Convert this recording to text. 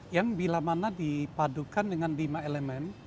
yang bila mana dipadukan dengan lima elemen